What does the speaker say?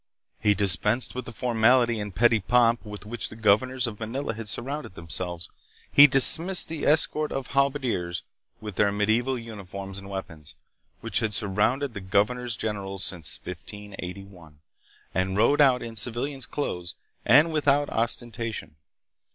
He dispensed with the formality and petty pomp with which the governors of Manila had surrounded themselves; he dismissed the escort of halberdiers, with their mediaeval uniforms and weapons, which had surrounded the governor generals since 1581, and rode out in civilian's clothes and without ostentation.